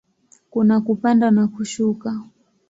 Kuna kupanda na kushuka.